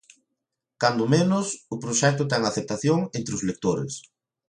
Cando menos, o proxecto ten aceptación entre os lectores.